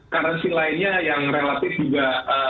currency lainnya yang relatif juga